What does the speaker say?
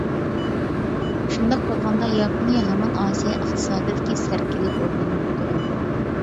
شۇنداق بولغاندا، ياپونىيە ھامان ئاسىيا ئىقتىسادىدىكى سەركىلىك ئورنىنى يوقىتىدۇ.